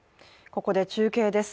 ここで中継です。